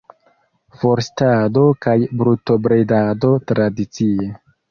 Forstado kaj brutobredado tradicie.